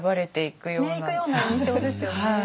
行くような印象ですよね。